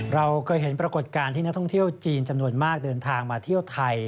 เราเคยเห็นปรากฏการณ์ที่นักท่องเที่ยวจีนจำนวนมากเดินทางมาเที่ยวไทย